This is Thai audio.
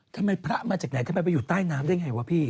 ทำไมพระมาจากไหนทำไมไปอยู่ใต้น้ำได้ไงวะพี่